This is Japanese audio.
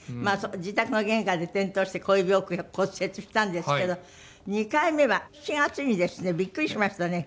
自宅の玄関で転倒して小指を骨折したんですけど２回目は７月にですねビックリしましたね。